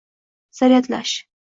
Zaryadlash